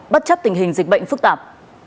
bất chấp tình hình dịch bệnh phức tạp